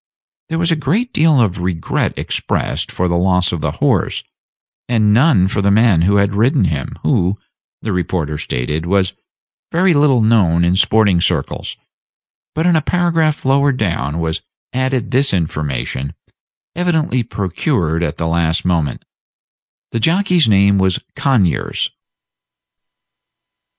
There was a great deal of regret expressed for the loss of the horse, and none for the man who had ridden him, who, the reporter stated, was very little known in sporting circles; but in a paragraph lower down was added this information, evidently procured at the last moment: "The jockey's name was Conyers."